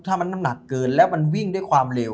ถ้ามันน้ำหนักเกินแล้วมันวิ่งด้วยความเร็ว